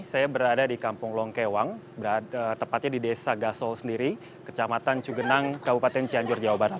saya berada di kampung longkewang tepatnya di desa gasol sendiri kecamatan cugenang kabupaten cianjur jawa barat